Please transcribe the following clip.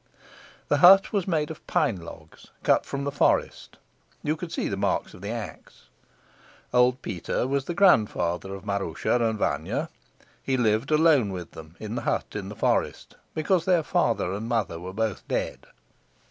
The hut was made of pine logs cut from the forest. You could see the marks of the axe. Old Peter was the grandfather of Maroosia and Vanya. He lived alone with them in the hut in the forest, because their father and mother were both dead.